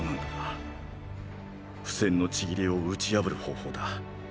「不戦の契り」を打ち破る方法だ。